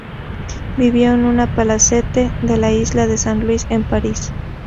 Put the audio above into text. Vivió en un palacete de la Isla de San Luis en París.